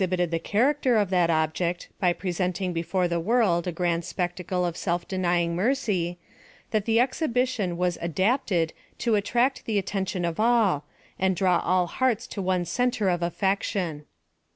217 bited the character of that object, by presenting be fore the world a grand spectacle of self denying mercy, that the exhibition was adapted to attract the attention of all, and draw all hearts to one cen Tre of atlection.